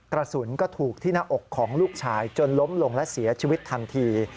กระสุนก็ถูกที่หน้าอกของลูกชายจนล้มลงและเสียชีวิตทันที